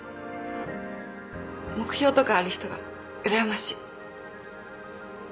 目標とかある人がうらやましい。